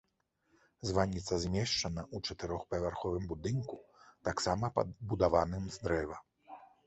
Званіца змешчана ў чатырохпавярховым будынку, таксама пабудаваным з дрэва.